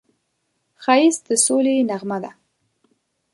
ښایست د سولې نغمه ده